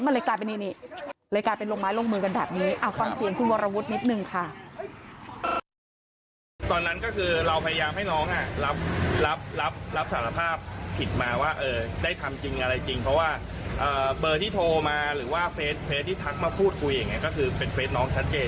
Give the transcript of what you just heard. มันเลยกลายเป็นแบบนี้เลยกลายเป็นลงไม้ลงมือกันแบบนี้